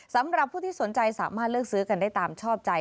สำหรับผู้ที่สนใจสามารถเลือกซื้อกันได้ตามชอบใจ